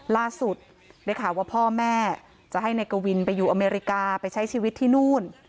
ล่าสุดได้ข่าวว่าพ่อแม่จะให้นายกวินไปอยู่อเมริกาไปใช้ชีวิตที่นู่น